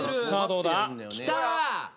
さあどうだ？